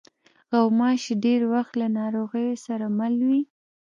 غوماشې ډېری وخت له ناروغیو سره مله وي.